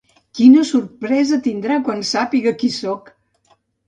Quina sorpresa tindrà quan sàpiga qui soc!